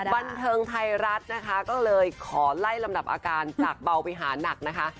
บันเทิงไทยรัฐนะคะก็เลยขอไล่ลำดับอาการจากเบาไปหานักนะคะ